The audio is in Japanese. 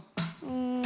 うん。